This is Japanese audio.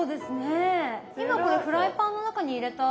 今これフライパンの中に入れたお湯ですか？